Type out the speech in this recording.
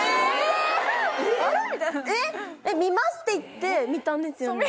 えっ「見ます」って言って見たんですよね？